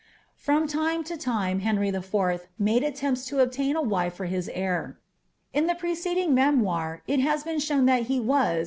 From lime to time TIenry IV. made stiempis to obuiti a wife for hii heir. In the preceding memoir it has been shown that he was.